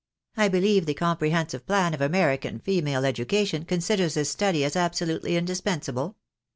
I beUeve the comprehensive plan of American female education considers this study as absolutely indispensable